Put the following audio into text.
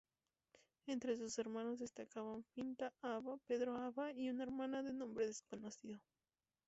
Entre sus hermanos destacaban Finta Aba, Pedro Aba y una hermana de nombre desconocido.